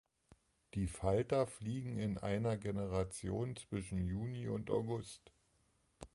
Die Falter fliegen in einer Generation zwischen Juni und August.